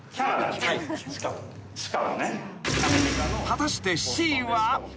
［果たしてＣは？］